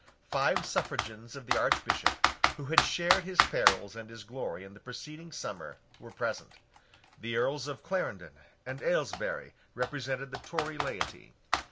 Five suffragans of the Archbishop, who had shared his perils and his glory in the preceding summer, were present. The Earls of Clarendon and Ailesbury represented the Tory laity.